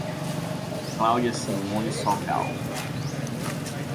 Cláudia Simone Sobral